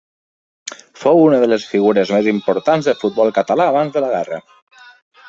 Fou una de les figures més importants del futbol català d'abans de la guerra.